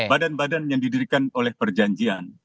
badan badan yang didirikan oleh perjanjian